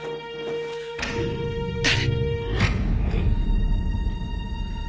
誰！？